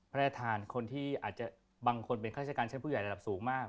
พระราชทานคนที่อาจจะบางคนเป็นข้าราชการชั้นผู้ใหญ่ระดับสูงมาก